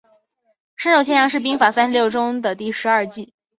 顺手牵羊是兵法三十六计的第十二计。